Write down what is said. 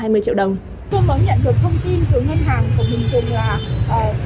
tôi mới nhận được thông tin từ ngân hàng của mình là